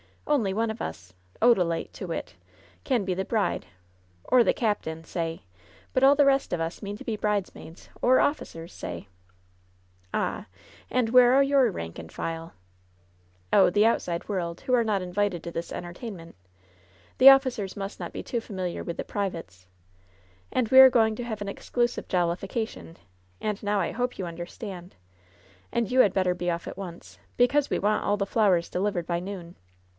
Only one of us — Odalite, to wit — can be the bride, or the captain, say, but all the rest of us mean to be bridesmaids or officers, say !" "Ah ! And where are your rank and file ?" "Oh, the outside world, who are not invited to this entertainment The officers must not be to familiar with 80 LOVE'S BITTEREST CUP the privates. And we are going to have an exclusive jollification* And now I hope you understand. And you had better be off at once, because we want all the flowers delivered by noon.